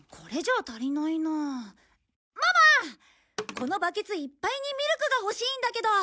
このバケツいっぱいにミルクが欲しいんだけど。